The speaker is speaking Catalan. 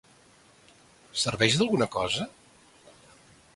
Serveix d'alguna cosa?